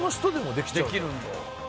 できるんだ。